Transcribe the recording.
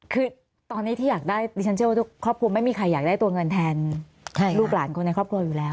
คือตอนนี้ที่อยากได้ดิฉันเชื่อว่าทุกครอบครัวไม่มีใครอยากได้ตัวเงินแทนลูกหลานคนในครอบครัวอยู่แล้ว